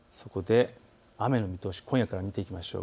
雨の見通しを今夜から見ていきましょう。